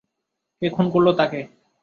কে খুন করল তাকে?